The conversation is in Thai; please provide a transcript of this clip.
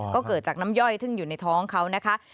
ก็เกิดจากน้ำย่อยซึ่งอยู่ในท้องเขานะคะ